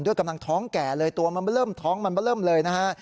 ด้วยกำลังท้องแก่เลยตัวมันเริ่มท้องเลยนะฮะ